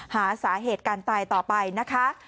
หาสาเหตุการตายต่อไปนะคะ